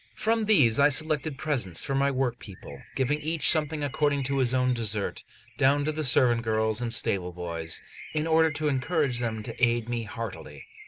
From these I selected presents for my workpeople, giving each something according to his own desert, down to the servant girls and stable boys, in order to encourage them to aid me heartily.